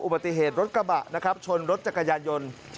ปฏิเหตุรถกระบะนะครับชนรถจักรยานยนต์